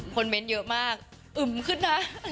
คนเม้นเยอะมากอึ้มขึ้นนะ